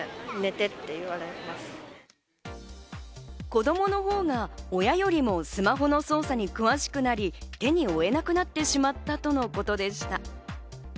子供のほうが親よりもスマホの操作に詳しくなり、手に負えなくなってしまったとのことでした。